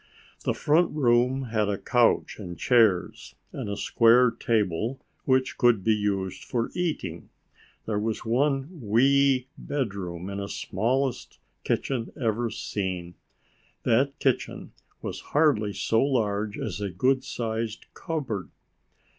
The front room had a couch and chairs, and a square table which could be used for eating. There was one wee bedroom and the smallest kitchen ever seen. That kitchen was hardly so large as a good sized cupboard.